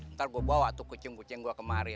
ntar gue bawa tuh kucing kucing gue kemari